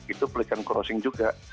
itu pelikon crossing juga